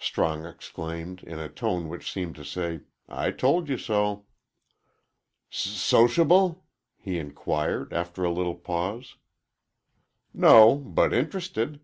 Strong exclaimed, in a tone which seemed to say, "I told you so." "S sociable?" he inquired, after a little pause. "No, but interested."